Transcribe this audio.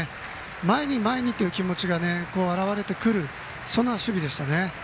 前に前にという気持ちが表れてくる、そんな守備でした。